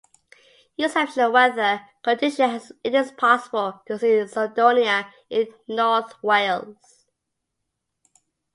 In exceptional weather conditions it is possible to see Snowdonia in North Wales.